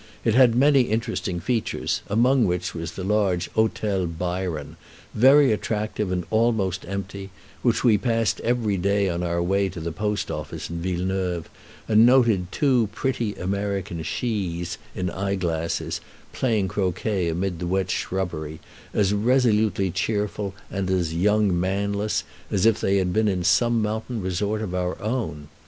It had many interesting features, among which was the large Hôtel Byron, very attractive and almost empty, which we passed every day on our way to the post office in Villeneuve, and noted two pretty American shes in eye glasses playing croquet amid the wet shrubbery, as resolutely cheerful and as young manless as if they had been in some mountain resort of our own.